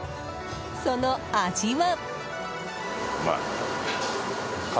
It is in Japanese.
その味は。